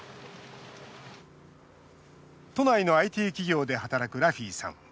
都内のＩＴ企業で働くラフィさん。